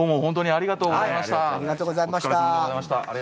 ありがとうございます。